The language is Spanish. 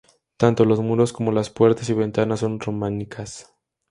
Tanto los muros como las puertas y ventanas son románicas.